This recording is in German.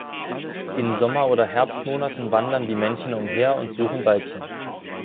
In Sommer- oder Herbstmonaten wandern die Männchen umher und suchen Weibchen.